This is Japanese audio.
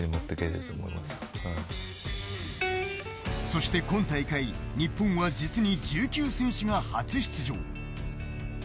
そして今大会日本は実に１９選手が初出場。